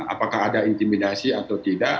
apakah ada intimidasi atau tidak